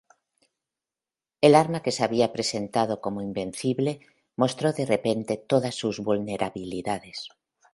El arma que se había presentado como invencible mostró de repente todas sus vulnerabilidades.